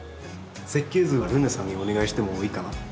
設計図はるねさんにお願いしてもいいかな？